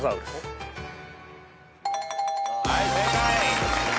はい正解。